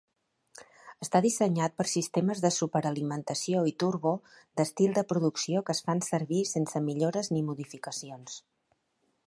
Està dissenyat per sistemes de superalimentació i turbo d'estil de producció que es fan servir sense millores ni modificacions.